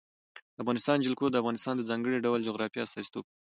د افغانستان جلکو د افغانستان د ځانګړي ډول جغرافیه استازیتوب کوي.